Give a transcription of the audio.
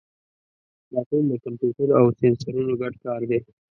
دا ټول د کمپیوټر او سینسرونو ګډ کار دی.